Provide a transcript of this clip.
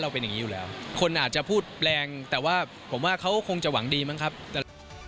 แปลงแต่ว่าผมว่าเขาคงจะหวังดีมั้งครับแต่